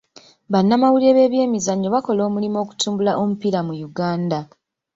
Bannamawulire b'ebyemizannyo bakola omulimu okutumbula omupiira mu Uganda.